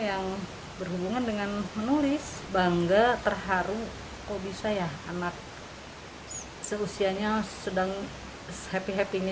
yang berhubungan dengan menulis bangga terharu kok bisa ya anak seusianya sedang happy happy nya